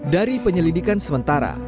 dari penyelidikan sementara